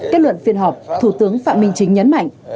kết luận phiên họp thủ tướng phạm minh chính nhấn mạnh